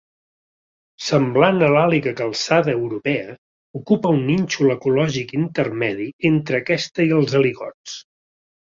Semblant a l'àguila calçada europea, ocupa un nínxol ecològic intermedi entre aquesta i els aligots.